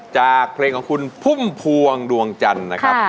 จากเพลงของคุณพุ่มพวงดวงจันทร์นะครับ